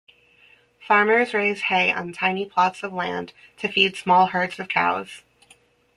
Farmers raise hay on tiny plots of land to feed small herds of cows.